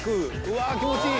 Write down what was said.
わぁ気持ちいい！